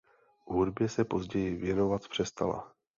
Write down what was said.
Hudbě se později věnovat přestala.